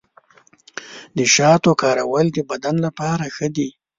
د شاتو کارول د بدن لپاره ښه دي.